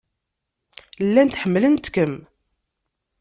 Llant ḥemmlent-kem.